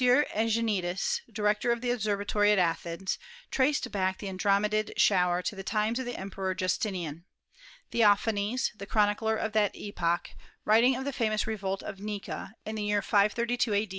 Egenitis, Director of the Observatory at Athens, traced back the Androm edid shower to the times of the Emperor Justinian. Theophanes, the chronicler of that epoch, writing of 248 ASTRONOMY the famous revolt of Nika . in the year 532 a.